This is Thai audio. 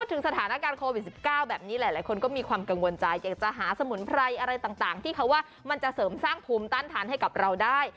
ถึงสถานการณ์โควิด๑๙แบบนี้หลายคนก็มีความกังวลใจอยากจะหาสมุนไพรอะไรต่างที่เขาว่ามันจะเสริมสร้างภูมิต้านทานให้กับเราได้